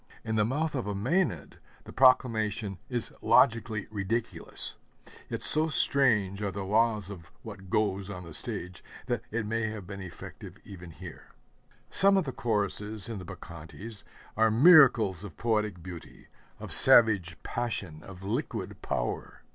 In the mouth of a Mænad the proclamation is logically ridiculous; yet so strange are the laws of what 'goes' on the stage that it may have been effective even here. Some of the choruses in the Bacchantes are miracles of poetic beauty, of savage passion, of liquid power.